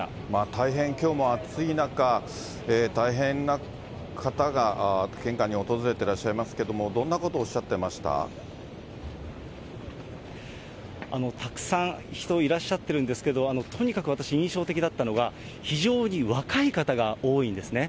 大変、きょうも暑い中、大変な方が献花に訪れてらっしゃいますけれども、どんなことをおっしたくさん人、いらっしゃってるんですけど、とにかく私、印象的だったのは、非常に若い方が多いんですね。